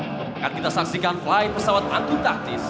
akan kita saksikan flight pesawat antu taktis